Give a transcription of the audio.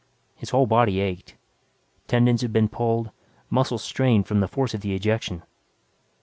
His whole body ached. Tendons had been pulled, muscles strained from the force of the ejection.